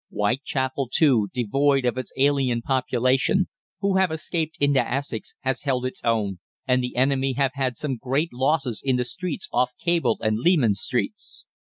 Whitechapel too, devoid of its alien population, who have escaped into Essex, has held its own, and the enemy have had some great losses in the streets off Cable and Leman Streets.